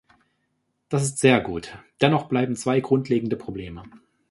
Das ist sehr gut, dennoch bleiben zwei grundlegende Probleme.